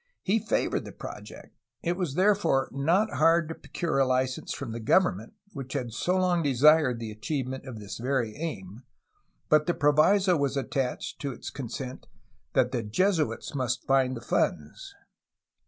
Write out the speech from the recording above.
He favored the project. It was therefore not hard to procurjs a license from the government, which had so long desired the achievement of this very aim, but the proviso was at tached to its consent that the Jesuits must find the funds.